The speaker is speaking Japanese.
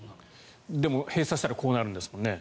でも、閉鎖したらこうなるんですもんね。